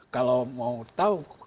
kalau mau tahu